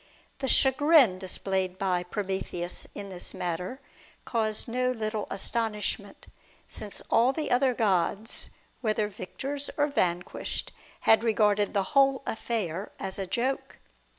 The chagrin displayed by Prometheus in this matter caused no little astonishment ; since all the other gods, whether victors or vanquished, had regarded the whole affair as a joke.